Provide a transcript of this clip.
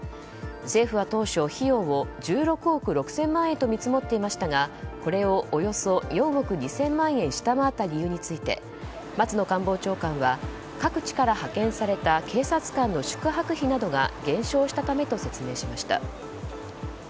政府は当初、費用を１６憶６０００万円と見積もっていましたがこれをおよそ４億２０００万円下回った理由について松野官房長官は各地から派遣された警察官の宿泊費などが減少したためと説明しました。